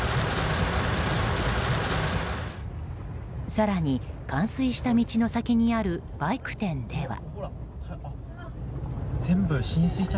更に冠水した道の先にあるバイク店では。